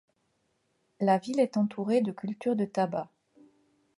La ville est entourée de cultures de tabac.